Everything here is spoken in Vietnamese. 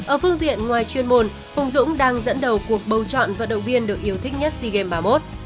ở phương diện ngoài chuyên môn hùng dũng đang dẫn đầu cuộc bầu chọn vận động viên được yêu thích nhất sea games ba mươi một